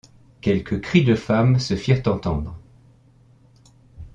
Quelques cris de femmes se firent entendre.